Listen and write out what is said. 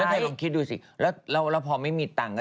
นะเธอยกลงคิดดูสิเราพอไม่มีตังค์